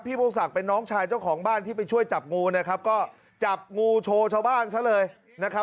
พงศักดิ์เป็นน้องชายเจ้าของบ้านที่ไปช่วยจับงูนะครับก็จับงูโชว์ชาวบ้านซะเลยนะครับ